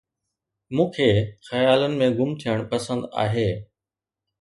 مون کي خيالن ۾ گم ٿيڻ پسند آهي